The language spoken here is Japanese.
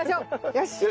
よし！